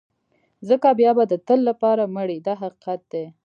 ځکه بیا به د تل لپاره مړ یې دا حقیقت دی.